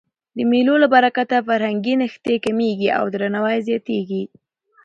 د مېلو له برکته فرهنګي نښتي کمېږي او درناوی زیاتېږي.